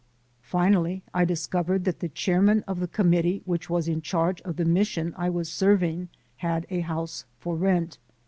Finally I discovered that the chairman of the Com mittee which was in charge of the Mission I was serving had a house for rent.